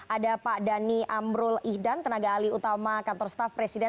ada pak dhani amrul ihdan tenaga alih utama kantor staff presiden